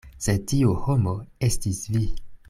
Sed tiu homo estis vi.